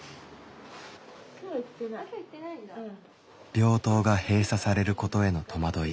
病棟が閉鎖されることへの戸惑い。